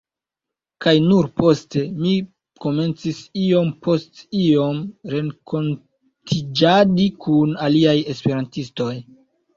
kaj nur poste mi komencis iom post iom renkontiĝadi kun aliaj esperantistoj.